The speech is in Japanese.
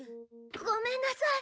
ごめんなさい。